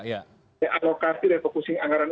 ya alokasi refocusing anggaran umum